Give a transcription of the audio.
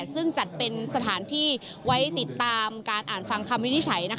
ซึ่งจัดเป็นสถานที่ไว้ติดตามการอ่านฟังคำวินิจฉัย